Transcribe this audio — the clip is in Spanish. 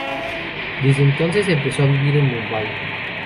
Desde entonces empezó a vivir en Mumbai.